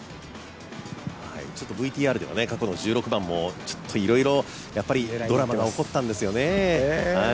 ＶＴＲでは過去の１６番もいろいろドラマが起こったんですよね。